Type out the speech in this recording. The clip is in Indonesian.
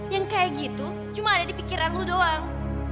yang kayak gitu cuma ada di pikiran lu doang